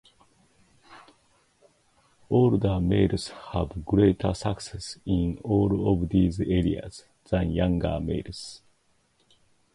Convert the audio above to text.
Older males have greater success in all of these areas than younger males.